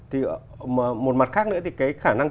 thì một mặt khác nữa thì cái khả năng